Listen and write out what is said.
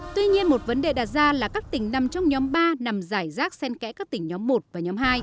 tuy nhiên một vấn đề đặt ra là các tỉnh nằm trong nhóm ba nằm giải rác sen kẽ các tỉnh nhóm một và nhóm hai